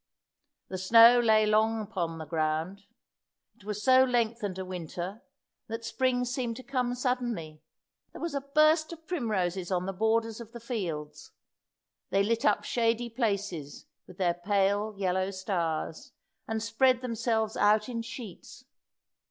The snow lay long upon the ground. It was so lengthened a winter, that spring seemed to come suddenly. There was a burst of primroses on the borders of the fields. They lit up shady places with their pale yellow stars, and spread themselves out in sheets.